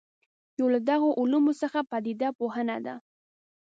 یو له دغو علومو څخه پدیده پوهنه ده.